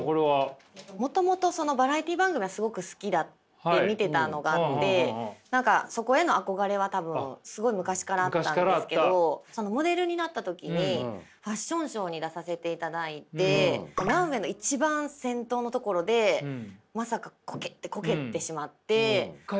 もともとバラエティー番組がすごく好きで見てたのがあって何かそこへの憧れは多分すごい昔からあったんですけどモデルになった時にファッションショーに出させていただいてランウェイの一番先頭のところでまさかコケってコケてしまって。